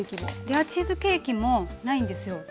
レアチーズケーキもないんですよ。